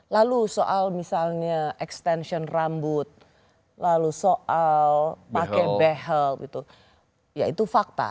lalu soal misalnya extension rambut lalu soal pakai behel gitu ya itu fakta